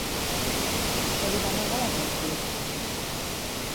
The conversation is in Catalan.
Què li va regalar Zèfir?